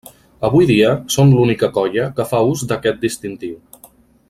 Avui dia són l'única colla que fa ús d'aquest distintiu.